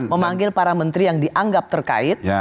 memanggil para menteri yang dianggap terkait